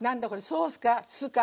ソースか酢か。